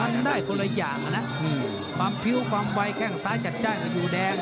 มันได้คนละอย่างนะความพิ้วความไวแข้งซ้ายจัดจ้านกันอยู่แดง